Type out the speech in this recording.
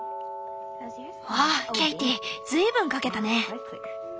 わあケイティ随分描けたね。